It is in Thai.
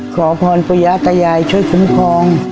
ขอพรประยะตะยายช่วยคุ้มพลอง